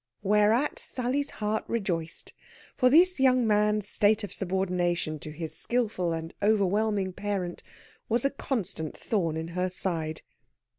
Whereat Sally's heart rejoiced; for this young man's state of subordination to his skilful and overwhelming parent was a constant thorn in her side.